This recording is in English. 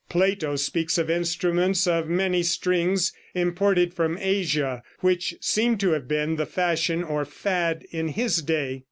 Plato speaks of instruments of many strings imported from Asia, which seem to have been the fashion or fad in his day.